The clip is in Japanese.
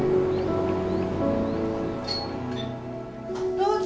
どうぞ。